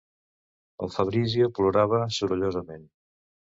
El Fabrizio plorava sorollosament.